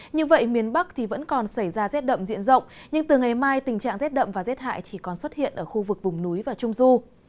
như vậy miền bắc thì vẫn còn xảy ra rét đậm diện rộng nhưng từ ngày mai tình trạng rét đậm và rét hại chỉ còn xuất hiện ở khu vực vùng núi và trung du